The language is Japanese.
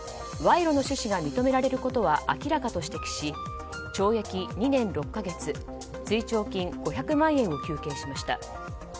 賄賂の趣旨が認められることは明らかと指摘し、懲役２年６か月追徴金５００万円を求刑しました。